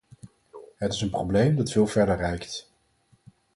Het is een probleem dat veel verder reikt.